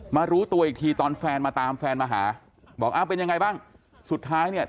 รู้ตัวอีกทีตอนแฟนมาตามแฟนมาหาบอกอ้าวเป็นยังไงบ้างสุดท้ายเนี่ย